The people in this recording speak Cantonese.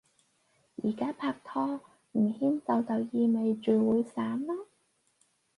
而家拍拖，唔牽手就意味住會散囉